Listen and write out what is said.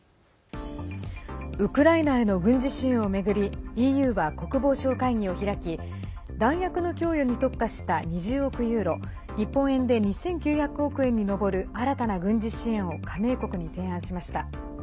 ウクライナへの軍事支援を巡りＥＵは国防相会議を開き弾薬の供与に特化した２０億ユーロ日本円で２９００億円に上る新たな軍事支援を加盟国に提案しました。